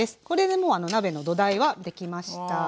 これでもう鍋の土台はできました。